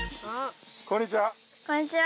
こんにちは。